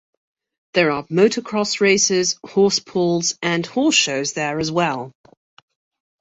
There are motocross races, horse pulls, and horse shows there as well.